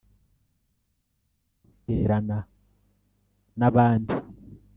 Ruterana n’abandi…